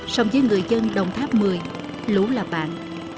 sống với người dân đồng tháp một mươi lũ là bạn